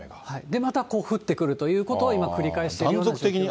で、また降ってくるということを今繰り返しているような状況ですね。